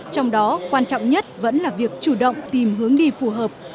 trong đó quan trọng nhất vẫn là việc chủ động tìm hướng đi phù hợp